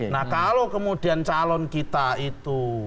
nah kalau kemudian calon kita itu